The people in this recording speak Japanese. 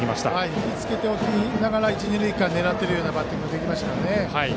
引きつけておきながら一、二塁間を狙っているようなバッティングができたので。